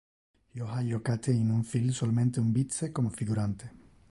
Io ha jocate in un film solmente un vice como figurante.